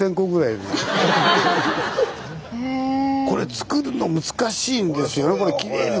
これ作るの難しいんですよね。